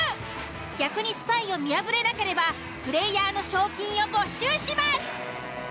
逆にスパイを見破れなければプレイヤーの賞金を没収します。